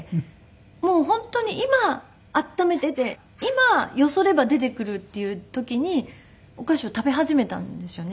もう本当に今温めていて今よそえば出てくるっていう時にお菓子を食べ始めたんですよね。